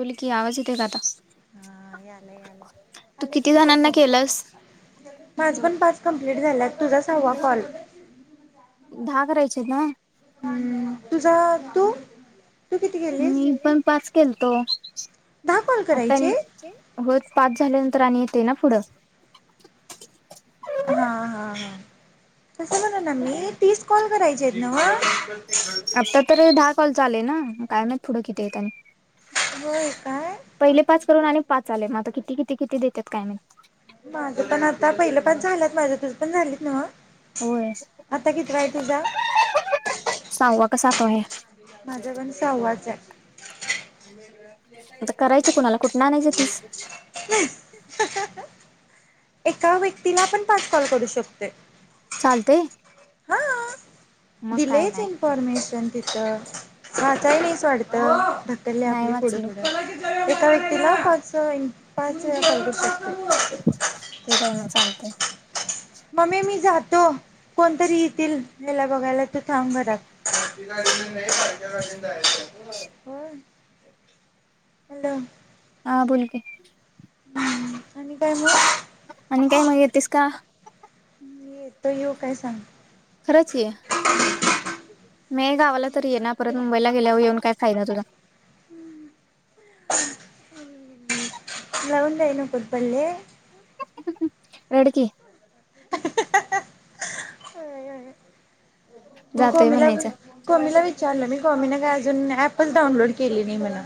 बोल की आवाज येते दादा. हा याला याला आले कीकश. केलंस? पाच पण पाच कंमप्लीट झाल्यात तुझा सववा कॉल. दहा करायचे ना. हम्म तुझा तू. तू किती केलीस मी पण पाच केलतो. दहा कॉल आता करायचे होच पाच झाल्यान. तर येते ना पुढं. हा हा हा. तसं म्हण ना मी तीस कॉल करायची आहेत ना. आता तर दहा कॉल आले ना काय नाही पुढं किती येतनी. होय काय पहिले पाच करून आणि पाच आले मग आता किती किती किती देतात काय माहित. माझ पण आता पहिलं पण झालंत माझ्या तच पण झालीत नव्ह. होय आता कितवा आहे तुझा सांगू कसा तो आहे. माझा पण सहावाच आहे. आता करायचे कुणाला कुठून आणायचं तीस. एका व्यक्तीला पण पाच कॉल करू शकतोय. चालते. हा दिलेयच नाही इन्फॉर्मेशन तिथं वाचायस नाही वाटत. ढकलले नाही आपली पुढे वाचलो पुुढ एका व्यक्तीला पाच पाच वेळा कॉल करू शकतो. ठीक आहे ना चालते. मम्मी मी जातो. कोणतरी येतील ह्याला बघायला तू थांब घरात. हॅलो हा बोल की ह् आणि काय म आणि काय मग येतेस का मी येतो येऊ काय सांग? खरच ये मी गावाला तर ये ना परत मुंबईला गेल्यावर येऊन काय फायदा तुझा हम् लाऊन देणं ना कुलपले रड की हो जातोय कोमीला, म्हणायचं कोमीला विचारलं मी कोमीला अजून ऍपच डाउनलोड केली नाही मला.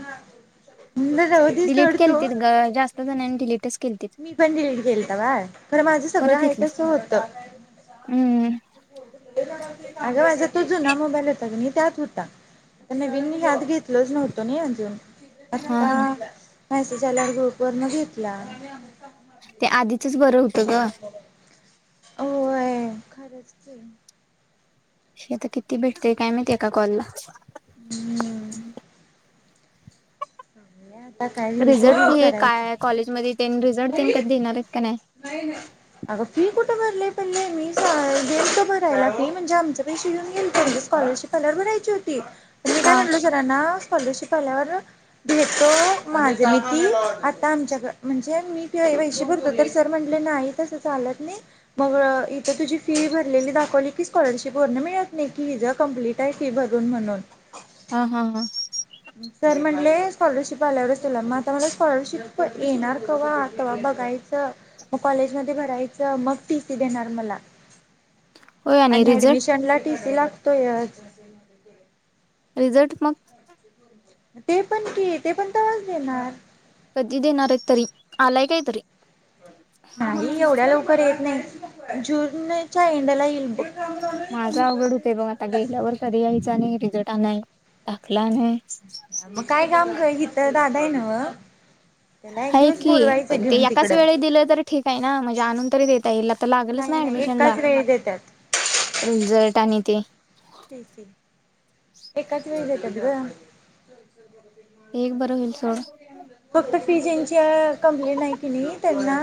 डिलीट केलटीत ग जास्त जनी डलीटच मी पण डिलीट केल बाळ खरं माझ सगळं परत आहे घेतलीस तस होत. हम्म आग माझा तो जुना मबाईल होता ग त्यात होता नवीन हत घेतलंच नव्हतं ना अजून हा आता हा मेसेज आल्या गुप वर न घेतला ते आधीचच बरं होतं ग होय खरंच ते शी आता किती भेटतेय काय माहती एका कॉलला हम्म आता काय होईल ते रिझल्ट होईल प हे करायचं. काय कॉलेजमध्येध्ये ते रिझल्ट ते कधी देणार आहेत का नाही अग फी कुठ भरले [inaudible] गेलतो ब भरायला मी म्हणजे आमच्या पैशी घेऊन गेलतो तोस्कॉलरशिप आल्यावर भरायची होती. मी काय हा म्हणलो सरांना स्कॉलरशिप आल्यावर भेतो माझं म ती आता आमच्या म्हणजे मी तेि पैसे भरतो तर सर म्हटले नाही तस चालत नाही मग इथं तुझी फी भरलेली दाखवली की स्कॉलरशिप मिळत नाही. विजा कंप्लीट आहे भरून म्हणून हा हा हा ॉरशप आल्यावरग आ मला स्कॉलरशिप येणार कवा तवा बघायच मग कॉलेज मध्ये भरायचं मग फी ती देणार मला. [inaudible] होय आणि रिझल्ट ऍडमिशन ला टीसी लागतोय. रिझल्ट मग ते पण की ते पण तवाच देणार कधी देणार आहेत तरी आलाय काय तरी नाही एवढ्या लवकर येत नाही जुूनच्या एंड ला येईल ब माझा अवघड होते बघ आता गेल्यावरर्षध यायच नाही रिझल्ट आणय टाकला मग काय काम कर की तर दादा आहे ना ह की पण ते एकाच वेळे दिलं तर ठीक आहे ना म्हणजे आणून तरी देता येईला तर लागलच नाही. ऍडमिशन ला. देतात. रिझर्ट आणि ते ते एकाच वज का दिव एक बरं होईल सोड फक्त फीजची कंप्लेंट आहे कि नाही त्यांना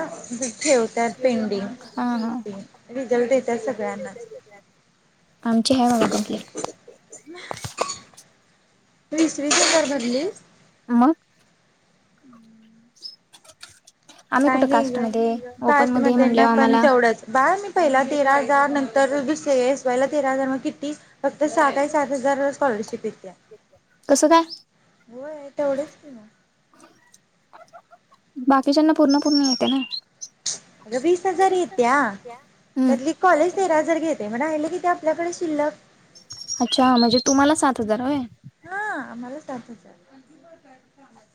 ठेवतात पेंडिंग हा हा पीसी रिझल्ट देतात सगळ्यांनाच आमचे ह बाबा कंप्लीट इसवी पपर भरलीस. मग आम्ही कुठं काही नाही ग कास्टमध्ये ओपन कास्ट म मध्ये म्हणले ना पण आम्हाला तेवढंच बाार मी पहिला तेरा हजार नंतरुस एस वाय ला तेरा हजार मग किती फक्त सात सात हजार स्कॉलरशिप येते. कसं काय होय तेवढेच ना. बाकीच्याना पूर्ण पूर्ण मिळते ना. अ वीस हजार येत्या हम्म त्यातली कॉलेज तेरा हजार घेतेत. तेे म्हण आहिले की ते आपल्याकडे शिल्लक अच्छा म्हणजे तुम्हाला सात हजार होय. आणि त बय.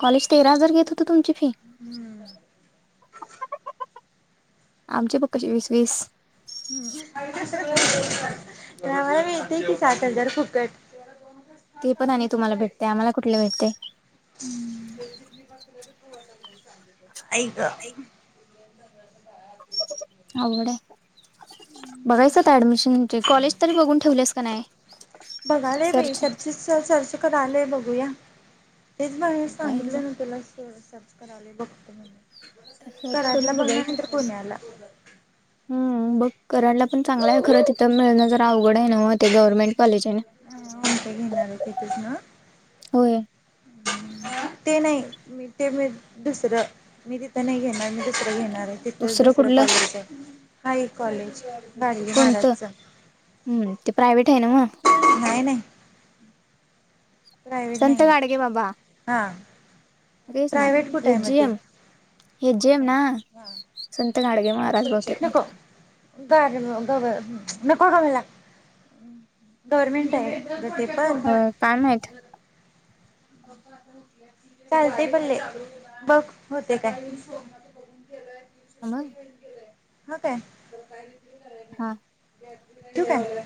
कॉलेज तेरा हजार घेत होत तुमची फी आमचे पक्काचे वीस वीस. हम्. त्या मला मिळतीय की सात हजार फुकट ते पण आणि तुम्हाला भेटते आम्हाला कुठले भेटते हम् य का? आड. बघायचं ऍडमिशन कॉलेज तरी बघून ठेवलेस का नाही? बघालय मी सर्च चर्चेस चर्च कर आलय बघूया. तेच बाई बघायचं सांगितलं ना तुला सर्च करा बघत म्हण. सर्च करून बघायच हम्म बघ करायला पण चांगलं आहे खर तथं मिळणं जर अवड आहे ना म ते गवर्नमेंट. हा आत घेणार आहे तेथूच ना. होय ते नाही. मी ते मी दुसरं मी तिथं नाही घेणार मी दुसरं घेणार. तिथच दुसरं कॉलेज आहे हाय कॉलेज गाडगे कोणतं महाराजचं हम् ते प्रायव्हेट आहे ना मग हय नाही. संत ग अडगे बाबा ह. म कस ना हे जीम हे जेम ना. गाडगे महाराज बहुतेक आहेत. नक ग ग. नको ग मला गव्हर्मेंट आहे ब ते पण अ काय माहित? चालतय बोले बघ होते काय? हॅलोय. हो काय? हा. तू काय?